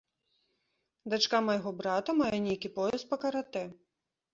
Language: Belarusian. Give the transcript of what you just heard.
Дачка майго брата мае нейкі пояс па каратэ.